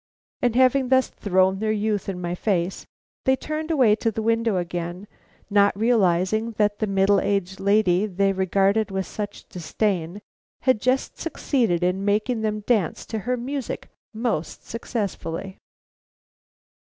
And having thus thrown their youth in my face, they turned away to the window again, not realizing that the middle aged lady they regarded with such disdain had just succeeded in making them dance to her music most successfully.